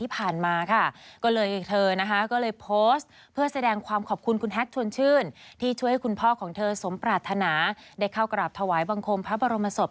พ่อของเธอสมปรารถนาได้เข้ากราบถวายบังคมพระบรมศพ